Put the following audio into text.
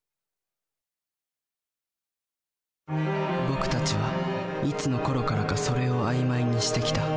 僕たちはいつのころからか「それ」を曖昧にしてきた。